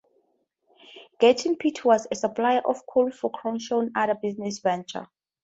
Gethin Pit was a supplier of coal for Crawshay's other business ventures.